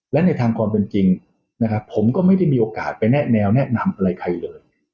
และในทางความเป็นจริงนะครับผมก็ไม่ได้มีโอกาสไปแนวแนะนำอะไรใครเลย